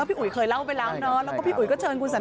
พี่อุ๋ยเคยเล่าไปแล้ว